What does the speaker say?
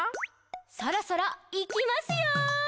「そろそろ、いきますよ！」